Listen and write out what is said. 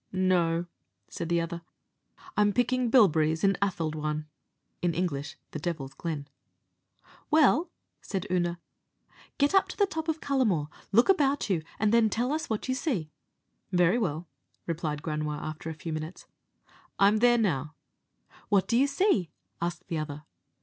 "No," said the other; "I'm picking bilberries in Althadhawan" (Anglicé, the Devil's Glen). "Well," said Oonagh, "get up to the top of Cullamore, look about you, and then tell us what you see." "Very well," replied Granua; after a few minutes, "I am there now." "What do you see?" asked the other.